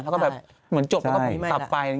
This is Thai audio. แล้วก็แบบเหมือนจบแล้วก็กลับไป